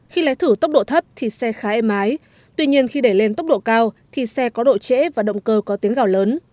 khi lái thử tốc độ thấp thì xe khá êm ái tuy nhiên khi để lên tốc độ cao thì xe có độ trễ và động cơ có tiếng gào lớn